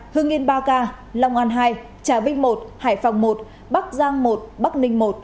hương yên ba ca lòng an hai trà vinh một hải phòng một bắc giang một bắc ninh một